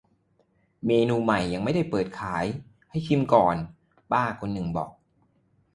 "เมนูใหม่ ยังไม่ได้เปิดขาย ให้ชิมก่อน" ป้าคนนึงบอก